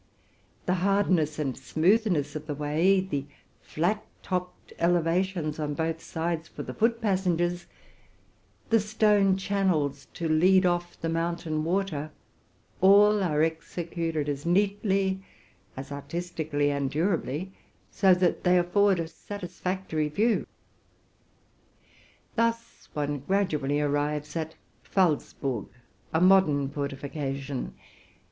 The hardness and smooth ness of the way, the flat topped elevations on both sides for the foot passengers, the stone channels to lead off the moun tain water, all are executed as neatly, as artistically and durably, so that they afford a satisfactory view. 'Thus one gradually arrives at Pfalzburg, a modern fortification.